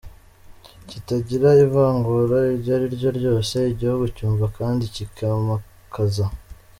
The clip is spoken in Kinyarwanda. kitagira ivangura iryo ari ryo ryose; igihugu cyumva kandi kikimakaza